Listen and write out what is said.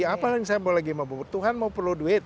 apa lagi yang saya mau lakukan tuhan mau perlu duit